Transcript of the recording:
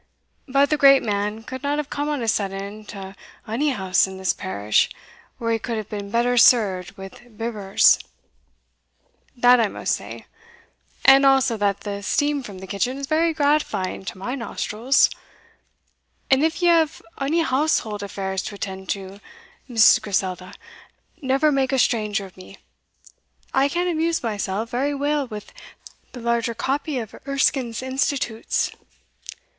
But the great man could not have come on a sudden to ony house in this parish where he could have been better served with vivers that I must say and also that the steam from the kitchen is very gratifying to my nostrils; and if ye have ony household affairs to attend to, Mrs. Griselda, never make a stranger of me I can amuse mysell very weel with the larger copy of Erskine's Institutes."